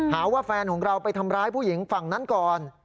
หาว่าแฟนของเราไปทำร้ายผู้หญิงฝั่งนั้นก่อน